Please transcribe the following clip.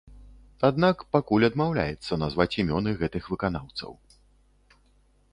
Аднак пакуль адмаўляецца назваць імёны гэтых выканаўцаў.